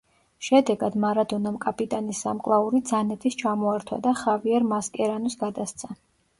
შედეგად, მარადონამ კაპიტანის სამკლაური ძანეტის ჩამოართვა და ხავიერ მასკერანოს გადასცა.